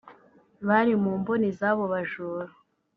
bari mu mboni z’abo bajura